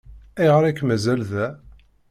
Ayɣer ay k-mazal da?